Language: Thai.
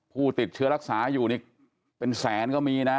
ผู้ติดเชื้อรักษาอยู่นี่เป็นแสนก็มีนะ